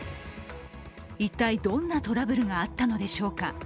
一体どんなトラブルがあったのでしょうか。